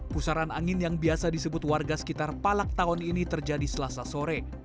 pusaran angin yang biasa disebut warga sekitar palak tahun ini terjadi selasa sore